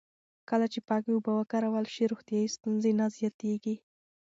کله چې پاکې اوبه وکارول شي، روغتیایي ستونزې نه زیاتېږي.